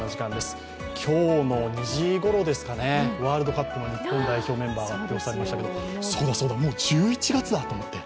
今日の２時ごろですかね、ワールドカップの日本代表メンバーが発表されましたけれども、そうだそうだもう１１月だと思って。